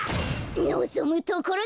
のぞむところだ！